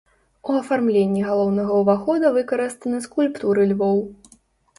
У афармленні галоўнага ўвахода выкарыстаны скульптуры львоў.